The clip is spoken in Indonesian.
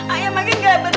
ayah makin gabetan disini